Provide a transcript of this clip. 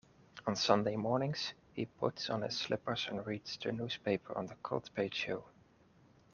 On Sunday mornings, he puts on his slippers and reads the newspaper on the cold patio.